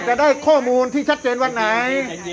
จะได้ข้อมูลที่ชัดเจนวันไหน